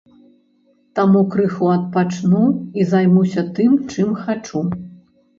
Таму крыху адпачну і займуся тым, чым хачу.